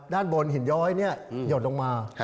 ด้านบนหินย้อยหยดลงมา